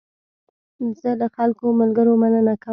زه له خپلو ملګرو مننه کوم.